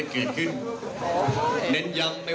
นายก็ใช้เวลาอย่างนั้น